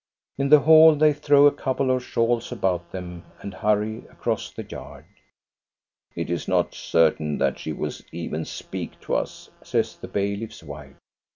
In the hall they throw a couple of shawls about them, and hurry across the yard. " It is not certain that she will even speak to us," says the bailiff's wife.